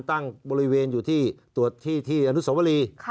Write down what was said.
ตั้งบริเวณอยู่ที่ตรวจที่อนุสวรี